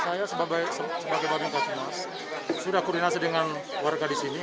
saya sebagai bagian pak cumaas sudah koordinasi dengan warga di sini